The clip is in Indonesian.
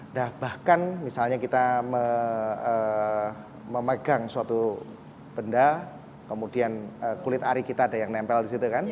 nah bahkan misalnya kita memegang suatu benda kemudian kulit ari kita ada yang nempel di situ kan